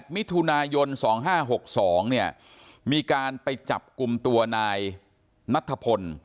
๑๘มิถุนายน๒๕๖๒มีการไปจับกลุ่มตัวนายณทพล